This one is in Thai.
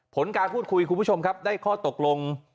ผลการพูดคุยคุณผู้ชมครับได้ข้อตกลง